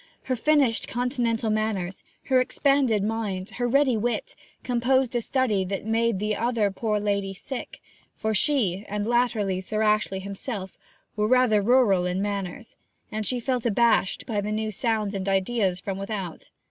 Her finished Continental manners, her expanded mind, her ready wit, composed a study that made the other poor lady sick; for she, and latterly Sir Ashley himself, were rather rural in manners, and she felt abashed by new sounds and ideas from without.